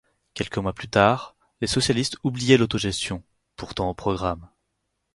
Quelques mois plus tard, les Socialistes oubliaient l'autogestion, pourtant au programme.